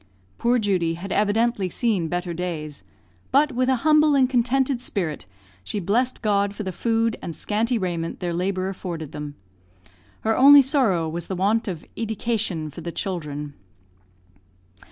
Poor Judy had evidently seen better days, but, with a humble and contented spirit, she blessed God for the food and scanty raiment their labour afforded them. Her only sorrow was the want of "idication" for the children.